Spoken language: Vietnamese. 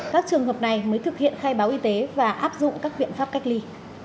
các trường hợp này mới thực hiện khai báo y tế và áp dụng các biện pháp cách ly